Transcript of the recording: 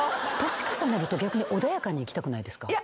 年重ねると逆に穏やかに生きたくないですか？